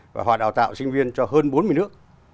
và họ đào tạo sinh viên cho hơn bốn mươi nước